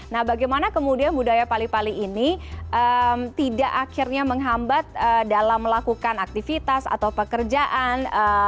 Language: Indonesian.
nah bagaimana kemudian budaya pali pali ini tidak akhirnya menghambat dalam melakukan aktivitas atau pekerjaan